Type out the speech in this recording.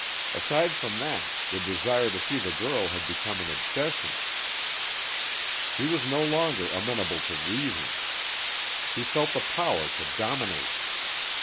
Aside from that, the desire to see the girl had become an obsession. He was no longer amenable to reason. He felt the power to dominate.